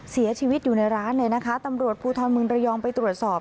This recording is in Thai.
เสียชีวิตอยู่ในร้านเลยนะคะตำรวจภูทรเมืองระยองไปตรวจสอบ